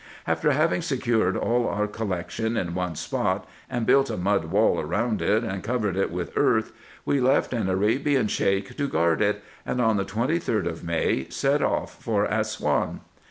After having secured all our collection in one spot, and built a mud wall round it, and covered it with earth, we left an Arabian Sheik to guard it, and, on the 23d of May, set off for Assouan.